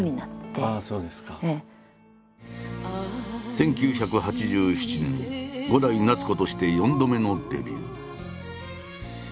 １９８７年「伍代夏子」として４度目のデビュー。